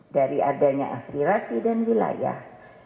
dari adanya aspirasi dan wilayah